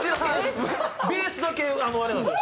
ベースだけあれなんですよ